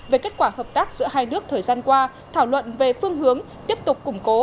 về kết quả hợp tác giữa hai nước thời gian qua thảo luận về phương hướng tiếp tục củng cố